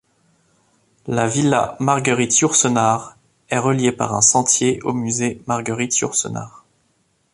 La villa Marguerite-Yourcenar est reliée par un sentier au musée Marguerite-Yourcenar.